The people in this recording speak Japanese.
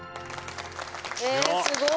えすごい。